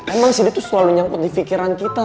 emang sih dia tuh selalu nyangkut di pikiran kita